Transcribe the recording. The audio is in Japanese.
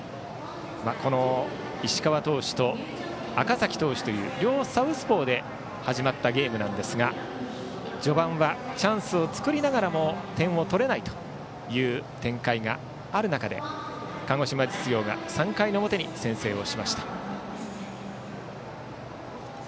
この石川投手と赤嵜投手という両サウスポーで始まったゲームなんですが序盤はチャンスを作りながらも点を取れないという展開がある中で鹿児島実業が３回の表に先制をしました。